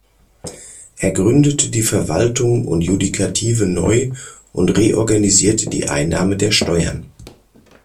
Er gründete die Verwaltung und Judikative neu und reorganisierte die Einnahme der Steuern.